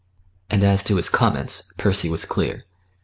And as to his comments Percy was clear.